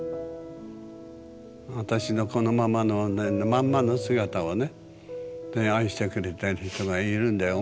私のこのままのまんまの姿をね愛してくれてる人がいるんだよ。